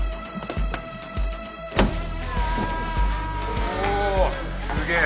おすげぇ。